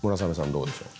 どうでしょう？